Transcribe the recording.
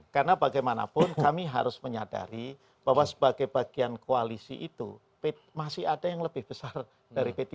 karena bagaimanapun kami harus menyadari bahwa sebagai bagian koalisi itu masih ada yang lebih besar dari p tiga